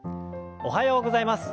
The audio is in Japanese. おはようございます。